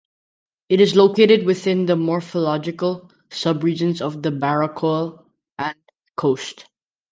It is located within the morphological sub-regions of the Barrocal and coast.